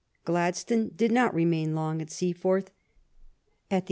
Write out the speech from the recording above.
Gladstone did not remain long at Seaforth.